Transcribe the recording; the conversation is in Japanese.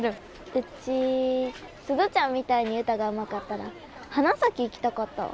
ウチ鈴ちゃんみたいに歌がうまかったら花咲行きたかったわ。